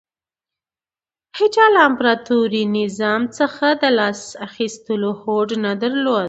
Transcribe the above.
هېچا له امپراتوري نظام څخه د لاس اخیستو هوډ نه درلود